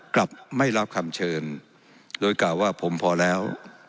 กลับไม่รับคำเชิญโดยกล่าวว่าผมพอแล้ว